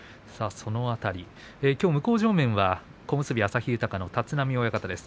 その辺り、向正面は小結旭豊の立浪親方です。